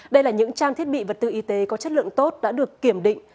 đây là những trang thiết bị vật tư y tế có chất lượng tốt đã được kiểm định